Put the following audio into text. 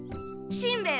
しんべヱ。